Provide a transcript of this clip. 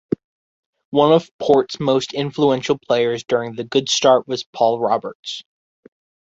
One of Port's most influential players during the good start was Paul Roberts.